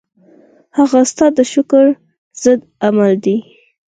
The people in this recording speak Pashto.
ځغاسته د شکر ضد عمل دی